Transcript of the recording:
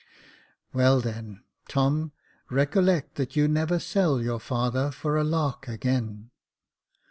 "Well then, Tom, recollect that you never sell your father for a lark again."